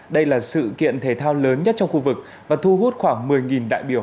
đây là sự kiện thể thao lớn nhất trong khu vực và thu hút khoảng một mươi đại biểu